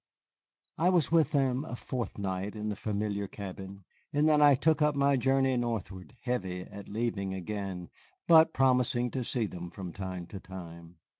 I was with them a fortnight in the familiar cabin, and then I took up my journey northward, heavy at leaving again, but promising to see them from time to time.